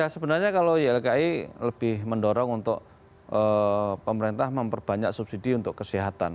sebenarnya kalau ylki lebih mendorong untuk pemerintah memperbanyak subsidi untuk kesehatan